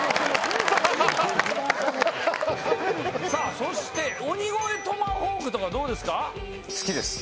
そして鬼越トマホークとかどうですか？